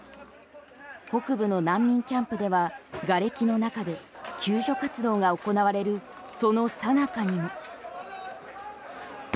北部の難民キャンプではがれきの中で救助活動が行われるその最中にも。